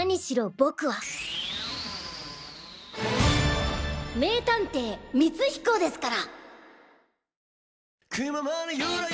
僕は名探偵ミツヒコですから！